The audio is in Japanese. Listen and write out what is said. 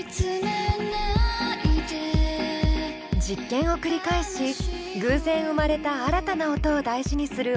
実験を繰り返し偶然生まれた新たな音を大事にする大沢さん。